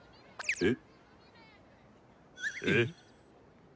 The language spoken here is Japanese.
えっ？